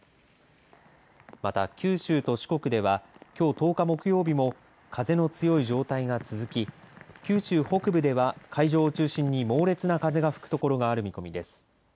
また、九州と四国ではきょう１０日木曜日も風の強い状態が続き九州北部では海上を中心に猛烈な風が吹くところがある見込みです。